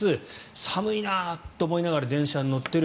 寒いなと思いながら電車に乗っている。